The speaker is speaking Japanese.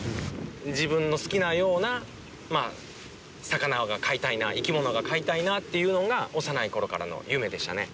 自分の好きなような魚が飼いたいな生き物が飼いたいなっていうのが幼い頃からの夢でしたね。